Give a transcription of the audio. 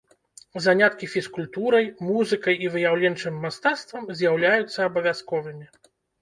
Заняткі фізкультурай, музыкай і выяўленчым мастацтвам з'яўляюцца абавязковымі.